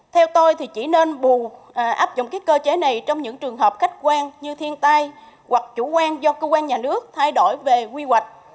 theo tôi thì chỉ nên bù áp dụng cơ chế này trong những trường hợp khách quan như thiên tai hoặc chủ quan do cơ quan nhà nước thay đổi về quy hoạch